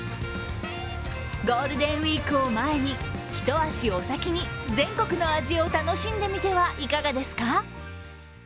ゴールデンウイークを前に一足お先に全国の味を楽しんでみてはいかがですか？